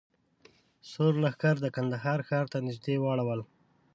سور لښکر د کندهار ښار ته نږدې واړول.